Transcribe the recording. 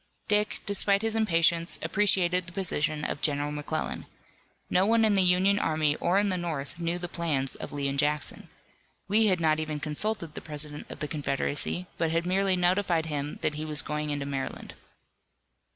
Dick, despite his impatience, appreciated the position of General McClellan. No one in the Union army or in the North knew the plans of Lee and Jackson. Lee had not even consulted the President of the Confederacy but had merely notified him that he was going into Maryland.